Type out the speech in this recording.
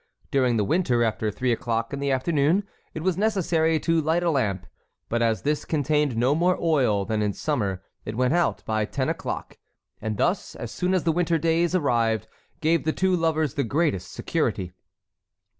During the winter, after three o'clock in the afternoon, it was necessary to light a lamp, but as this contained no more oil than in summer, it went out by ten o'clock, and thus, as soon as the winter days arrived, gave the two lovers the greatest security.